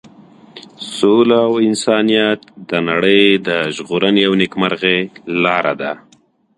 سوله او انسانیت د نړۍ د ژغورنې او نیکمرغۍ لاره ده.